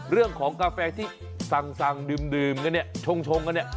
เรื่องของกาแฟที่ซังดื่มกันเนี่ยชงกันเนี่ย